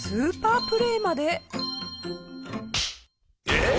えっ！？